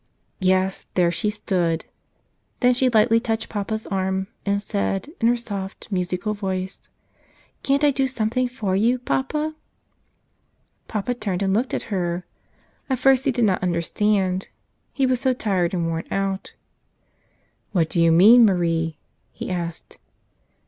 Yes; there she stood. Then she lightly touched papa's arm and said, in her soft, musical voice: "Can't I do something for you, papa?" Papa turned and looked at her. At first he did not understand. He was so tired and worn out. "What do you mean, Marie?" he asked.